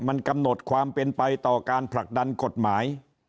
มันกำหนดความเป็นไปต่อการผลักดันกฎหมาย